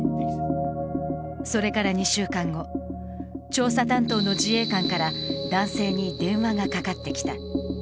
それから２週間後、調査担当の自衛官から男性に電話がかかってきた。